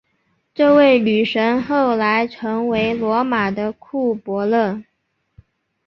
这位女神后来成为罗马的库柏勒。